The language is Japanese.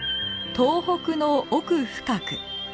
東北の奥深く